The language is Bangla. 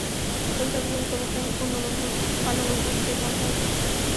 ললিতা কহিল, তোমার সঙ্গে পানুবাবুর যে কথা আছে!